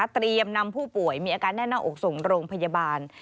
เตรียมนำผู้ป่วยมีอาการแน่น่าอกสงโรงพยาบาล